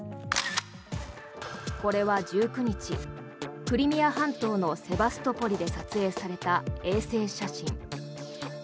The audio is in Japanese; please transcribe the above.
これは１９日クリミア半島のセバストポリで撮影された衛星写真。